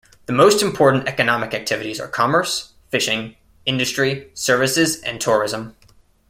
The most important economic activities are commerce, fishing, industry, services, and tourism.